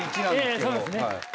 えぇそうですね。